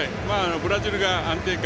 ブラジルが安定感。